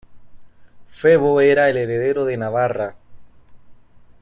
Febo era el heredero de Navarra.